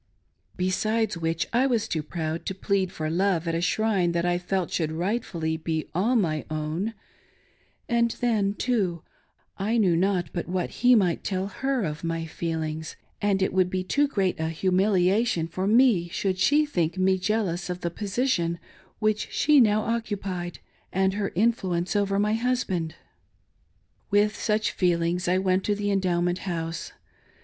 Resides which, I was too proud to plead for love at a shrine that I felt should rightfully be all my own, And then, too, I knew not but what he might tell /lef of my feelings ; and it would be too great a humiliation for me should she think me jealous of the position which she now occupijed, and her influ ence over my husband. With such feelings I went to the Endowment House.